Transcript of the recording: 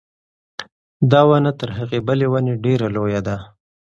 دا ونه تر هغې بلې ونې ډېره لویه ده.